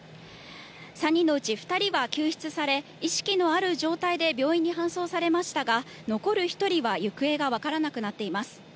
３人のうち２人は救出され、意識のある状態で病院に搬送されましたが、残る１人は行方が分からなくなっています。